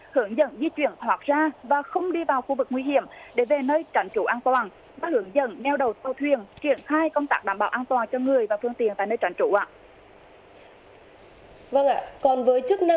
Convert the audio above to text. hướng dẫn di chuyển thoát ra và không đi vào khu vực nguy hiểm để về nơi tránh chủ an toàn và hướng dẫn nêu đầu tàu thuyền triển khai công tác đảm bảo an toàn cho người và phương tiện tại nơi tránh chủ ạ